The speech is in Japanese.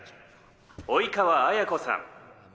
生川綾子さん。